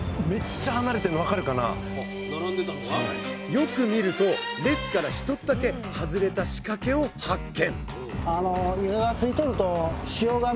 よく見ると列から１つだけ外れた仕掛けを発見！